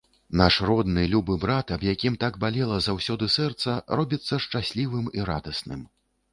Наш родны, любы брат, аб якім так балела заўсёды сэрца, робіцца шчаслівым і радасным.